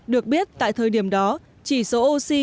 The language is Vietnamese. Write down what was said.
được biết tại thời điểm đó chỉ số oxy đo được tại tầng